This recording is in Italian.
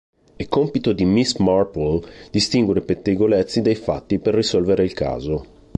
È compito di Miss Marple distinguere i pettegolezzi dai fatti per risolvere il caso.